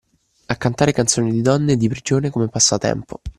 A cantare canzoni di donne e di prigione come passatempo.